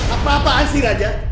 apa apaan sih raja